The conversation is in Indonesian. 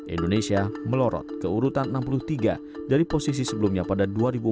indonesia melorot ke urutan enam puluh tiga dari posisi sebelumnya pada dua ribu empat belas